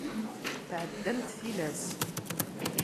Tɛeddamt tilas.